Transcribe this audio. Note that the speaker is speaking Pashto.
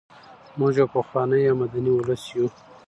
موږ یو پخوانی او مدني ولس یو.